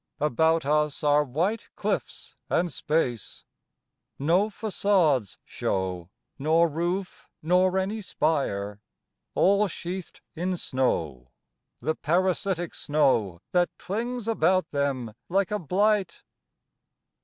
About us are white cliffs and space. No façades show, Nor roof nor any spire... All sheathed in snow... The parasitic snow That clings about them like a blight.